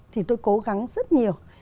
thì tôi cố gắng rất nhiều